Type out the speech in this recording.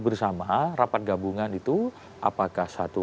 bersama rapat gabungan itu apakah satu